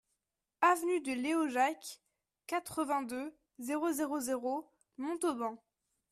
Avenue de Léojac, quatre-vingt-deux, zéro zéro zéro Montauban